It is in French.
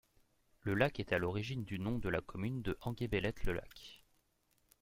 Le lac est à l'origine du nom de la commune de Aiguebelette-le-Lac.